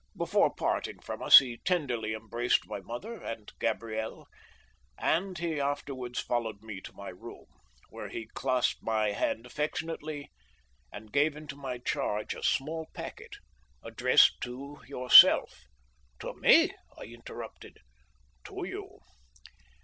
Before parting from us he tenderly embraced my mother and Gabriel, and he afterwards followed me to my room, where he clasped my hand affectionately and gave into my charge a small packet addressed to yourself." "To me?" I interrupted. "To you.